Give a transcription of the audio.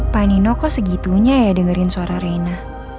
pak nino kok segitunya ya dengerin suara reina